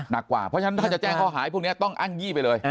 หนักกว่าเพราะฉะนั้นถ้าจะแจ้งข้อหาพวกนี้ต้องอ้างยี่ไปเลย